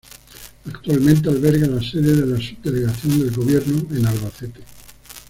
Actualmente alberga la sede de la Subdelegación del Gobierno en Albacete.